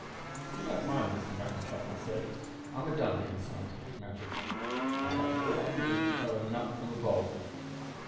"'If you don't mind, Mr. Vanderkamp,' I said, 'I'm a dummy in scientific matters. I have all I can do to tell a nut from a bolt.'